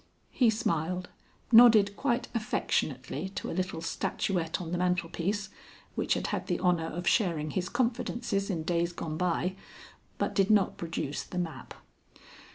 He smiled, nodded quite affectionately to a little statuette on the mantel piece, which had had the honor of sharing his confidences in days gone by, but did not produce the map.